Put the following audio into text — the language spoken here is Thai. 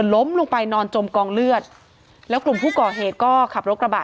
ล้มลงไปนอนจมกองเลือดแล้วกลุ่มผู้ก่อเหตุก็ขับรถกระบะ